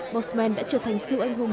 boseman đã trở thành siêu anh hùng